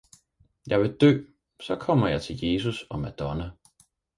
jeg vil dø, så kommer jeg til Jesus og Madonna!